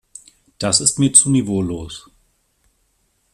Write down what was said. Das ist mir zu niveaulos.